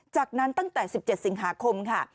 จากนั้นตั้งแต่๑๗สิงหาคมค่ะ